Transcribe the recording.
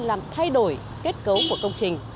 làm thay đổi kết cấu của công trình